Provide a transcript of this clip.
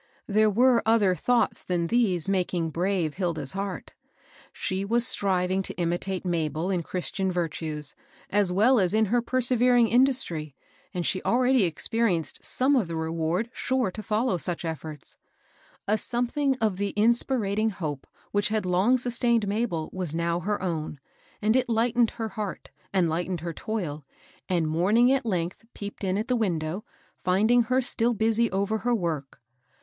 There were other thoughts than these making brave Hilda's heart. She was striving to imitate Mabel in Christian virtues, as well as in her perse vering industry, and she already experienced some of the reward sure to follow such efforts. A some thing of the inspiriting hope which had long sus tained Mabel, was now her own ; and it lightened her heart, and lightened her toil, and morning at length peeped in at the window, finding her still " WORK — WORK — WORK." 297 busy over her work.